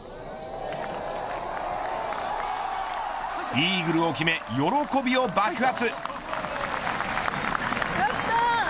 イーグルを決め喜びを爆発。